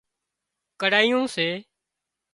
ڪڙهايون سي